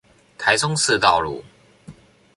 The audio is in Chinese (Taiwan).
台中市道路